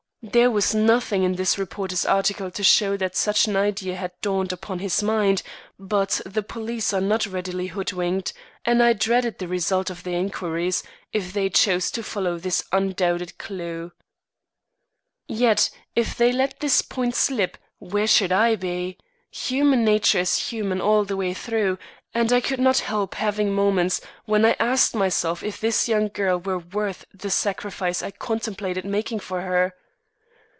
There was nothing in this reporter's article to show that such an idea had dawned upon his mind, but the police are not readily hoodwinked and I dreaded the result of their inquiries, if they chose to follow this undoubted clew. Yet, if they let this point slip, where should I be? Human nature is human all the way through, and I could not help having moments when I asked myself if this young girl were worth the sacrifice I contemplated making for her?